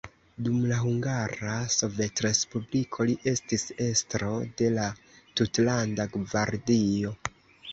Dum la Hungara Sovetrespubliko li estis estro de la tutlanda gvardio.